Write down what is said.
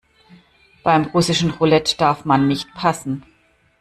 Beim russischen Roulette darf man nicht passen.